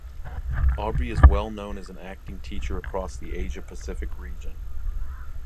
Aubrey is well known as an acting teacher across the Asia Pacific region.